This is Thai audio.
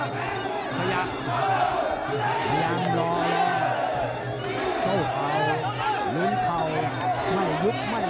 พยายามพยายามรอยเข้าเข่าลืมเข้าไม่ยุบไม่เริ่ม